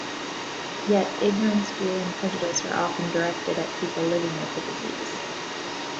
Yet, ignorance, fear and prejudice are often directed at people living with the disease.